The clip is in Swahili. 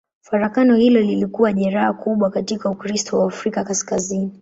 Farakano hilo lilikuwa jeraha kubwa katika Ukristo wa Afrika Kaskazini.